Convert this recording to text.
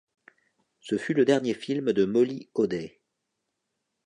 Ce fut le dernier film de Molly O'Day.